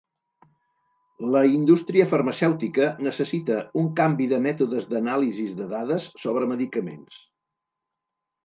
La indústria farmacèutica necessita un canvi de mètodes d'anàlisis de dades sobre medicaments.